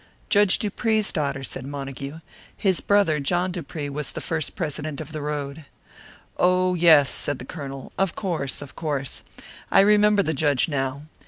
"Judge Dupree's daughter," said Montague. "His brother, John Dupree, was the first president of the road." "Oh, yes," said the Colonel. "Of course, of course! I remember the Judge now.